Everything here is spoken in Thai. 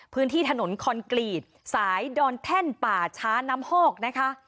พื้นที่ถนนคอนกรีตสายดอนแท่นป่าช้าน้ำฮอกนะคะ